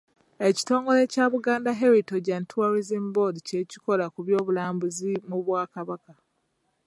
Ekitongole kya Buganda Heritage and Tourism Board kye kikola ku by'obulambuzi mu Bwakabaka.